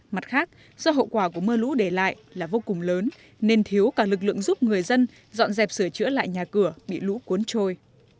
mặt khác do hậu quả của mưa lũ để lại là vô cùng lớn nên thiếu cả lực lượng giúp người dân dọn dẹp sửa chữa lại nhà cửa bị lũ cuốn trôi